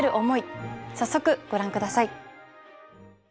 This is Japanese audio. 早速ご覧下さい。